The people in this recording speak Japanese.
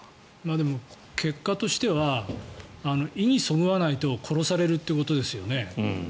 でも結果としては意にそぐわないと殺されるということですよね。